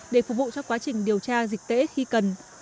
để phục vụ cho quá trình điều tra dịch tễ khi cần